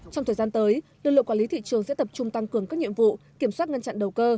trong thời gian tới lực lượng quản lý thị trường sẽ tập trung tăng cường các nhiệm vụ kiểm soát ngăn chặn đầu cơ